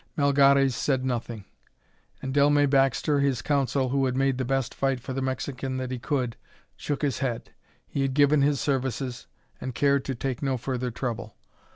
Melgares said nothing, and Dellmey Baxter, his counsel, who had made the best fight for the Mexican that he could, shook his head; he had given his services, and cared to take no further trouble.